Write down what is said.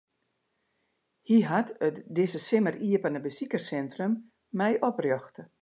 Hy hat it dizze simmer iepene besikerssintrum mei oprjochte.